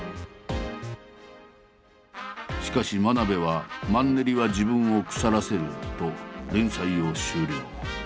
しかし真鍋は「マンネリは自分を腐らせる」と連載を終了。